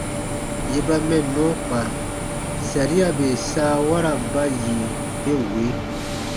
Yè ba mɛnnɔ kpa, saria bè saawara ba yi be wee: